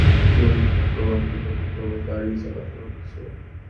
তুই ভাগ্যবান যে তোকে কেবল গাড়িই চালাতে হচ্ছে।